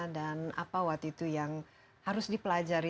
dan apa waktu itu yang harus dipelajari